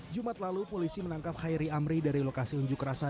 jumat lalu polisi menangkap hairi amri dari lokasi unjuk rasa